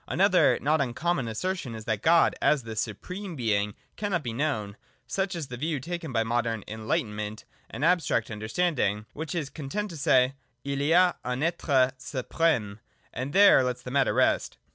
Another not uncommon assertion is that God, as the supreme Being, cannot be known. Such is the view taken by modern ' enlightenment ' and abstract understanding, which is con tent to say, II y a un etre supreme : and there lets the matter ' rest.